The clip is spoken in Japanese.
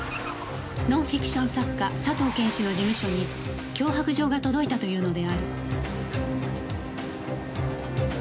ノンフィクション作家佐藤謙氏の事務所に脅迫状が届いたというのである